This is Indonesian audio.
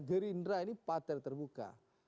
gerindra ini partai terbuka